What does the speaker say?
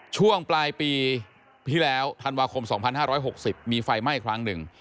ช่วงปลายปีที่แล้วธันวาคม๒๕๖๐มีไฟไหม้ครั้งหนึ่ง